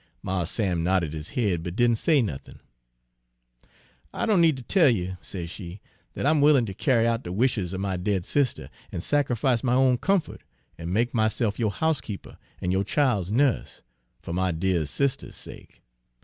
"Mars Sam nodded his head, but didn' say nothin'. "'I don' need ter tell you,' says she,' dat I am willin' ter carry out de wishes er my dead sister, an' sac'ifice my own comfo't, an' make myse'f yo' housekeeper an' yo' child's nuss, fer my dear sister's sake.